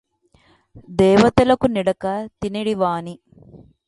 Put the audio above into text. దేవతలకు నిడక తినెడివాని